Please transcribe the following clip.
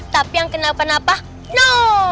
tapi yang kena penapa no